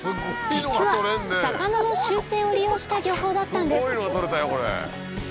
実は魚の習性を利用した漁法だったんです